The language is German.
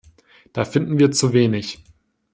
Da finden wir zu wenig.